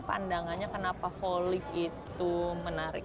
pandangannya kenapa voli itu menarik